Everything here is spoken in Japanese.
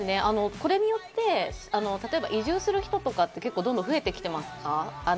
これによって移住する人ってどんどん増えてきていますか？